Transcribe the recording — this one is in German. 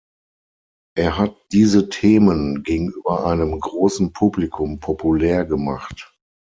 Er hat diese Themen gegenüber einem großen Publikum populär gemacht.